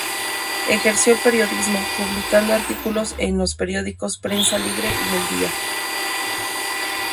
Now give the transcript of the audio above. Ejerció el periodismo, publicando artículos en los periódicos Prensa Libre y El Día.